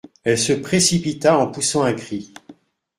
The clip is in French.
Elle se précipita en poussant un cri.